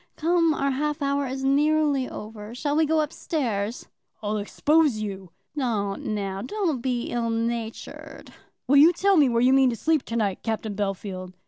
Come; our half hour is nearly over; shall we go up stairs?" "I'll expose you." "Don't now; don't be ill natured." "Will you tell me where you mean to sleep to night, Captain Bellfield?"